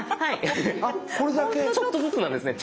ちょっとずつなんですね。